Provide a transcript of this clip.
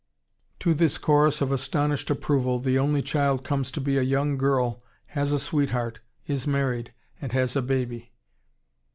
To this chorus of astonished approval, the only child comes to be a young girl, has a sweetheart, is married, and has a baby!